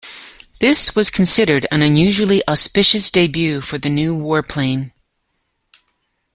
This was considered an unusually auspicious debut for the new warplane.